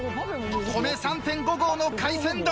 米３．５合の海鮮丼。